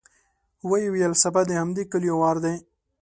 ويې ويل: سبا د همدې کليو وار دی.